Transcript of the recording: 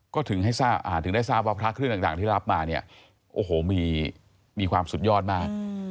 ก็ถึงได้ทราบว่าพระเครื่องต่างที่รับมาเนี่ยโอ้โหมีความสุดยอดมาก